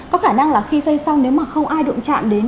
có khả năng là khi xây xong nếu mà không ai đụng chạm đến